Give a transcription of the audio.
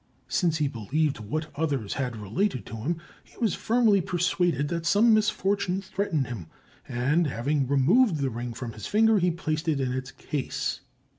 Since he believed what others had related to him, he was firmly persuaded that some misfortune threatened him, and, having removed the ring from his finger, he placed it in its case.